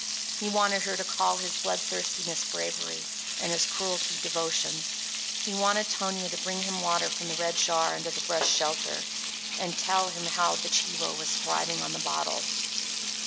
He wanted her to call his bloodthirstiness bravery and his cruelty devotion. He wanted Tonia to bring him water from the red jar under the brush shelter, and tell him how the chivo was thriving on the bottle.